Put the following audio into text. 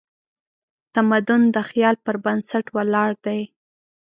تمدن د خیال پر بنسټ ولاړ دی.